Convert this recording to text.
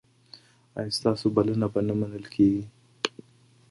ایا ستاسو بلنه به نه منل کیږي؟